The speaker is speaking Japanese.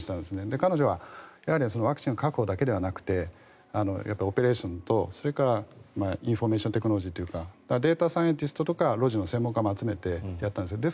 彼女はワクチンの確保だけではなくてオペレーションとそれからインフォメーションテクノロジーというかデータサイエンティストとかロジの専門家も集めてやったんです。